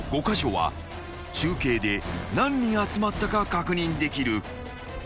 カ所は中継で何人集まったか確認できる］